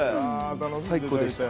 最高でした。